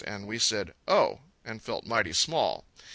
And we said "Oh," and felt mighty small.